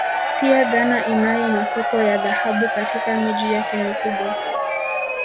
Pia Ghana inayo masoko ya dhahabu katika miji yake mikubwa